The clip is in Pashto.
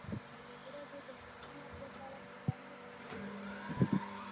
ازادي راډیو د اټومي انرژي په اړه څېړنیزې لیکنې چاپ کړي.